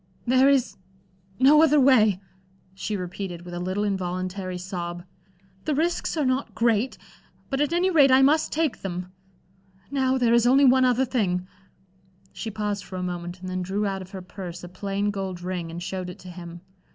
... "There is no other way," she repeated, with a little, involuntary sob. "The risks are not great but, at any rate, I must take them. Now, there is only one other thing" She paused for a moment and then drew out of her purse a plain gold ring, and showed it to him.